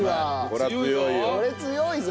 これ強いぞ！